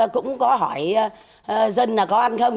cũng có hỏi dân là có ăn không